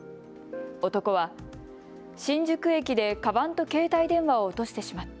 男は新宿駅でかばんと携帯電話を落としてしまった。